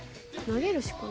投げるしか。